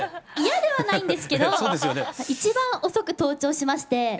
嫌ではないんですけど一番遅く登頂しまして。